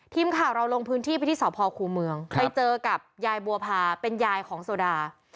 ทีมข่าวเราลงพื้นที่ไปที่สพคูเมืองไปเจอกับยายบัวพาเป็นยายของโซดา